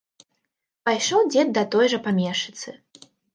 Пайшоў дзед да той жа памешчыцы.